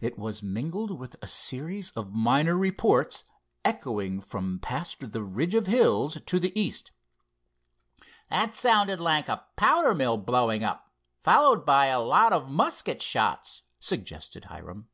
It was mingled with a series of minor reports, echoing from past the ridge of hills to the East. "That sounded like a powder mill blowing up, followed by a lot of musket shots," suggested Hiram.